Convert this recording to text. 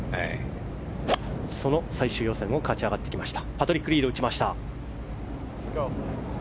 その最終予選を勝ち上がってきました。